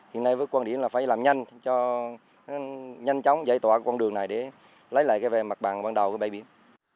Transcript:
hiện nay với quan điểm là phải làm nhanh cho nhanh chóng giải tỏa con đường này để lấy lại cái mặt bằng ban đầu cái bãi biển